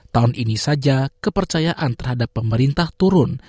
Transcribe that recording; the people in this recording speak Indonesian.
tahun ini saja kepercayaan terhadap pemerintah turun